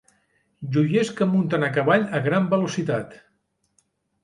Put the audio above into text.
joqueis que munten a cavall a gran velocitat.